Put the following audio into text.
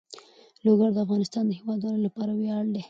لوگر د افغانستان د هیوادوالو لپاره ویاړ دی.